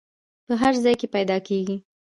په هر ځای کې پیدا کیږي.